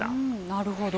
なるほど。